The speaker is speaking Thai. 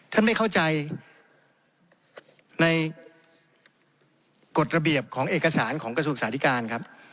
ไม่เข้าใจในกฎระเบียบของเอกสารของกระทรวงศึกษาธิการครับ